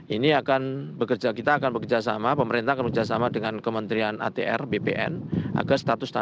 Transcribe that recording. ini akan bekerja kita akan bekerjasama pemerintah akan bekerjasama dengan kementerian ath